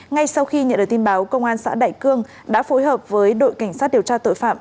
ngay sau khi nhận được tin báo công an xã đại cương đã phối hợp với đội cảnh sát điều tra tội phạm